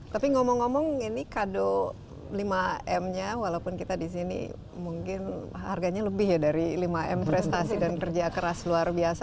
tapi ngomong ngomong ini kado lima m nya walaupun kita di sini mungkin harganya lebih ya dari lima m prestasi dan kerja keras luar biasa